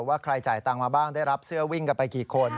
ว่าใครจ่ายตังค์มาบ้างได้รับเสื้อวิ่งกันไปกี่คน